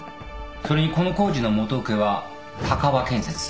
それにこの工事の元請けは鷹和建設。